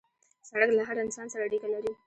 سړک له هر انسان سره اړیکه لري.